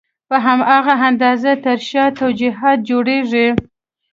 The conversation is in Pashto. په هماغه اندازه یې تر شا توجیهات جوړېږي.